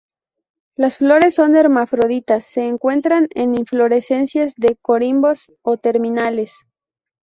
Las flores son hermafroditas se encuentras en inflorescencias de corimbos o terminales.